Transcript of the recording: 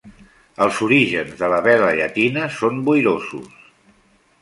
Els orígens de la vela llatina són boirosos.